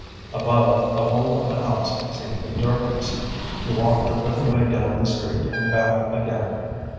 Above, the whole of the house seemed in darkness. He walked a little way down the street and back again.